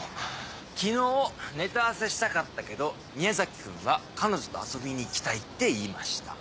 昨日ネタ合わせしたかったけど宮崎君は彼女と遊びにいきたいって言いました。